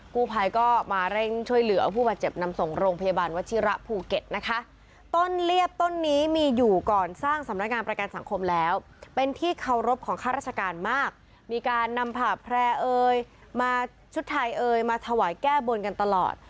กู้ภัยก็มาเร่งช่วยเหลือผู้บาดเจ็บนำส่งโรงพยาบาลวชิระภูเก็ตนะคะต้นเลียบต้นนี้มีอยู่ก่อนสร้างสำนักงานประกันสังคมแล้วเป็นที่เคารพของข้าราชการมากมีการนำผ่าแพร่เอยมาชุดไทยเอยมาถวายแก้บนกันตลอด